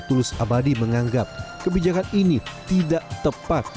tulus abadi menganggap kebijakan ini tidak tepat